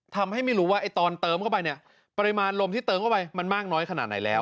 ทำให้ไม่รู้ว่าไอ้ตอนเติมเข้าไปเนี่ยปริมาณลมที่เติมเข้าไปมันมากน้อยขนาดไหนแล้ว